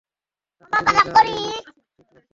টাকা ভুলে যা, এই লোক ঠিক লাগছে না।